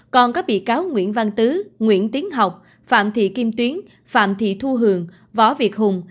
còn các bị cáo nguyễn văn tứ nguyễn tiến học phạm thị kim tuyến phạm thị thu hường võ việt hùng